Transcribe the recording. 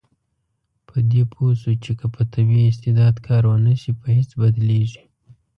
په دې پوه شو چې که په طبیعي استعداد کار ونشي، په هېڅ بدلیږي.